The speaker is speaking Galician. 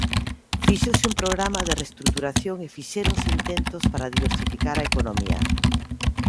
Fíxose un programa de reestruturación e fixéronse intentos para diversificar a economía.